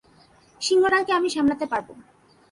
সিংহটাকে আমি সামলাতে পারবো।